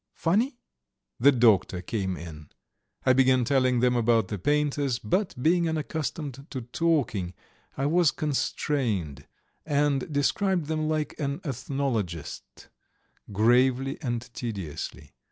Funny?" The doctor came in; I began telling them about the painters, but, being unaccustomed to talking, I was constrained, and described them like an ethnologist, gravely and tediously.